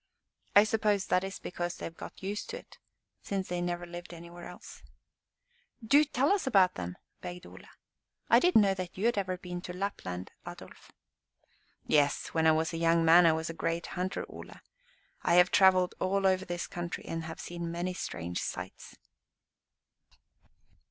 I suppose that is because they have got used to it, since they never lived anywhere else." "Do tell us about them," begged Ole. "I didn't know you had ever been to Lapland, Adolf." [Illustration: "'IT IS ALWAYS IN THE SHAPE OF A MOUND.'"] "Yes, when I was a young man I was a great hunter, Ole. I have travelled all over this country and have seen many strange sights."